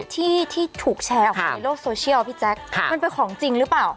ที่ที่ถูกแชร์ออกไปในโลกโซเชียลพี่แจ๊คมันเป็นของจริงหรือเปล่า